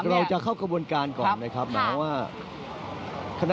เราจะเข้ากระบวนการก่อนนะครับหมายความว่าคณะ